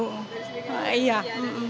dari seminggu yang lalu